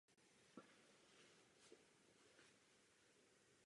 Tvoří ho pouze východní část města Vincennes.